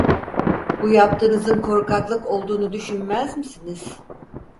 Bu yaptığınızın korkaklık olduğunu düşünmez misiniz?